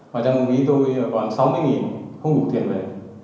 mà trong ký tôi còn sáu mươi nghìn không đủ tiền về